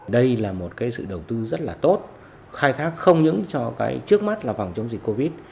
đây là một sự đầu tư rất là tốt khai thác không những cho trước mắt là phòng chống dịch covid